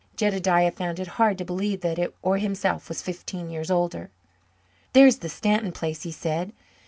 Jedediah found it hard to believe that it or himself was fifteen years older. "There's the Stanton place," he said.